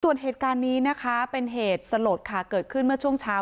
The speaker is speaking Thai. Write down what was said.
ส่วนเหตุการณ์นี้นะคะเป็นเหตุสลดค่ะเกิดขึ้นเมื่อช่วงเช้า